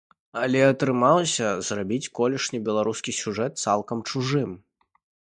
Але атрымалася зрабіць колішні беларускі сюжэт цалкам чужым.